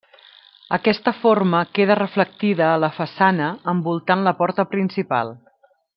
Aquesta forma queda reflectida a la façana envoltant la porta principal.